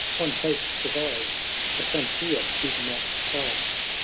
One hope survives, the frontier is not far.